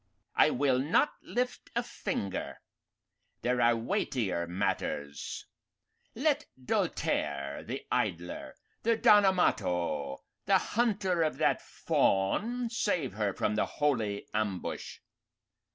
"I will not lift a finger. There are weightier matters. Let Doltaire, the idler, the Don Amato, the hunter of that fawn, save her from the holy ambush.